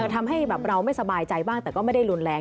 ทำให้เราไม่สบายใจบ้างแต่ก็ไม่ได้รุนแรง